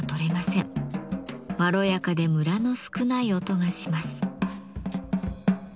まろやかでムラの少ない音がします。